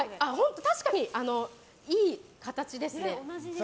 確かに、いい形ですね。